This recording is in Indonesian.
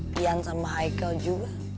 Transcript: lian sama haikun